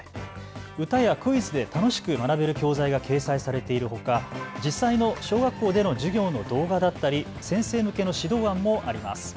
歌やクイズで楽しく学べる教材が掲載されているほか実際の小学校での授業の動画だったり先生向けの指導案もあります。